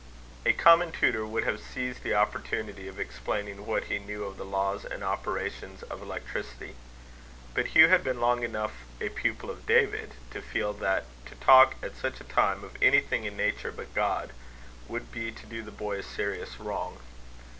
A common tutor would have seized the opportunity of explaining what he knew of the laws and operations of electricity. But Hugh had been long enough a pupil of David to feel that to talk at such a time of anything in nature but God, would be to do the boy a serious wrong.